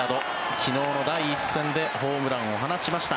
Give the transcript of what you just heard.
昨日の第１戦でホームランを放ちました。